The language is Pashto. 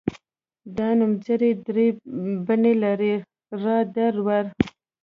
دا نومځري درې بڼې لري را در ور.